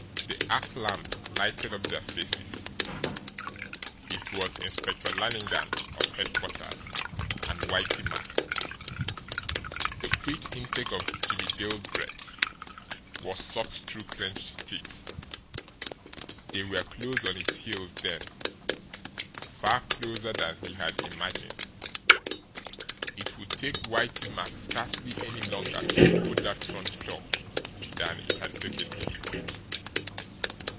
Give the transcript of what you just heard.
The arc lamp lighted up their faces. IT WAS INSPECTOR LANNIGAN OF HEADQUARTERS AND WHITEY MACK! The quick intake of Jimmie Dale breath was sucked through clenched teeth. They were close on his heels then far closer than he had imagined. It would take Whitey Mack scarcely any longer to open that front door than it had taken him.